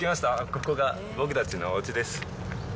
ここが僕たちのおうちです。